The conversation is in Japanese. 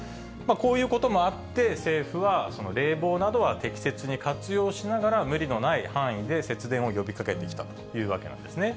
こういうこともあって、政府は冷房などは適切に活用しながら、無理のない範囲で節電を呼びかけてきたというわけなんですね。